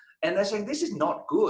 dan mereka bilang ini tidak bagus